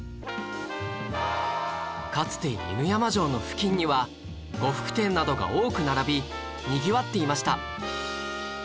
かつて犬山城の付近には呉服店などが多く並びにぎわっていました